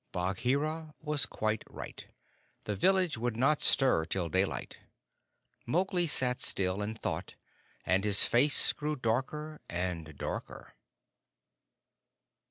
Bagheera was quite right; the village would not stir till daylight. Mowgli sat still, and thought, and his face grew darker and darker.